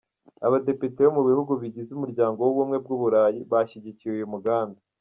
Abadepite bo mu bihugu bigize Umuryango w’Ubumwe bw’u Burayi bashyigikiye uyu mugambi.